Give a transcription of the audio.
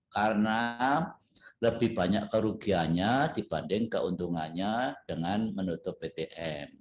karena lebih banyak kerugiannya dibanding keuntungannya dengan menutup bpm